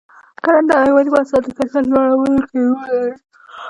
کرنه د حیواني محصولاتو د کیفیت لوړولو کې رول لري.